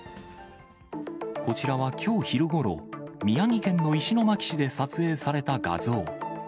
こちらはきょう昼ごろ、宮城県の石巻市で撮影された画像。